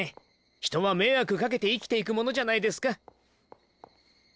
人は迷惑かけて生きていくものじゃないですか。